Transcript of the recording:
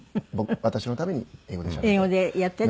私のために英語でしゃべって。